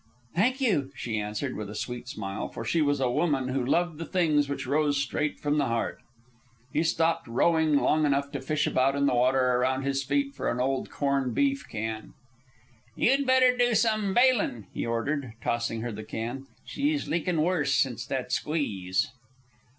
"Thank you," she answered with a sweet smile; for she was a woman who loved the things which rose straight from the heart. He stopped rowing long enough to fish about in the water around his feet for an old cornbeef can. "You'd better do some bailin'," he ordered, tossing her the can. "She's leakin' worse since that squeeze."